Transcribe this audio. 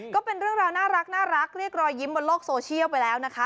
ก็เป็นเรื่องราวน่ารักเรียกรอยยิ้มบนโลกโซเชียลไปแล้วนะคะ